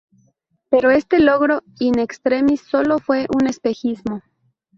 Pero este logro in extremis sólo fue un espejismo.